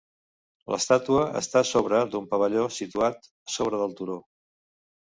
L'estàtua està sobre d'un pavelló situat sobre del turó.